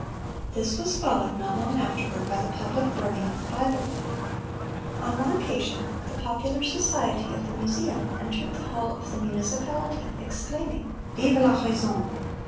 (406) This was followed, not long afterward, by the public burning of the Bible. On one occasion "the Popular Society of the Museum" entered the hall of the municipality, exclaiming, "_Vive la Raison!